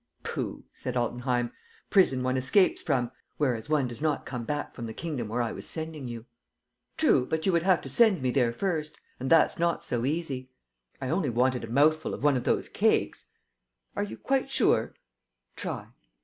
"Pooh!" said Altenheim. "Prison one escapes from ... whereas one does not come back from the kingdom where I was sending you." "True, but you would have to send me there first; and that's not so easy." "I only wanted a mouthful of one of those cakes." "Are you quite sure?" "Try."